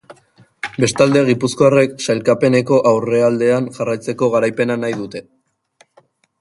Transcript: Bestalde, gipuzkoarrek sailkapeneko aurrealdean jarraitzeko garaipena nahi dute.